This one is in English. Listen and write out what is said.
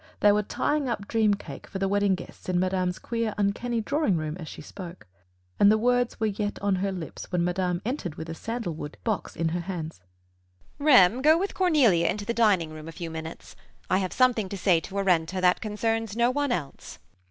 They were tying up "dream cake" for the wedding guests in madame's queer, uncanny drawing room as she spoke, and the words were yet on her lips when madame entered with a sandal wood box in her hands. "Rem," she said, "go with Cornelia into the dining room a few minutes. I have something to say to Arenta that concerns no one else."